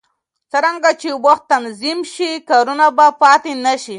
څرنګه چې وخت تنظیم شي، کارونه به پاتې نه شي.